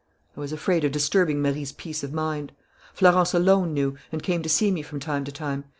I was afraid of disturbing Marie's peace of mind. Florence alone knew, and came to see me from time to time.